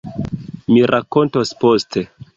Mi rakontos poste...